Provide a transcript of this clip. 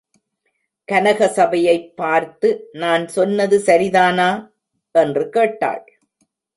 கனகசபையை பார்த்து, நான் சொன்னது சரிதானா? என்று கேட்டாள்.